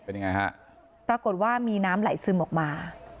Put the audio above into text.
เป็นยังไงฮะปรากฏว่ามีน้ำไหลซึมออกมา